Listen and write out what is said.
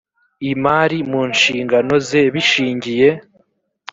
imari mu nshingano ze bishingiye